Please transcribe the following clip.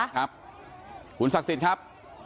ครับคุณศักดิ์สิทธิ์ครับ